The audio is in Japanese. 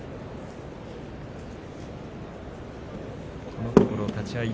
このところ立ち合い